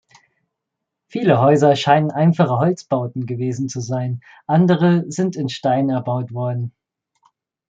Viele Häuser scheinen einfache Holzbauten gewesen zu sein, andere sind in Stein erbaut worden.